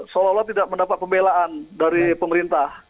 seolah olah tidak mendapat pembelaan dari pemerintah